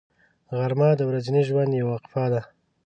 غرمه د ورځني ژوند یوه وقفه ده